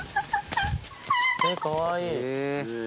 かわいい！